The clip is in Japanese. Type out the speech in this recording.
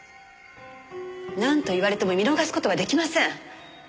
なんと言われても見逃す事は出来ません。